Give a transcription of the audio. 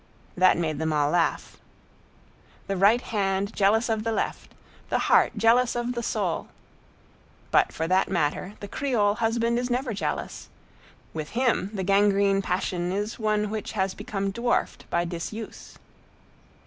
That made them all laugh. The right hand jealous of the left! The heart jealous of the soul! But for that matter, the Creole husband is never jealous; with him the gangrene passion is one which has become dwarfed by disuse.